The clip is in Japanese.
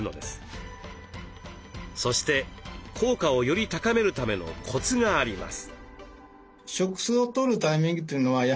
そして効果をより高めるためのコツがあります。